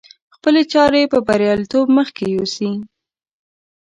خپلې چارې په برياليتوب مخکې يوسي.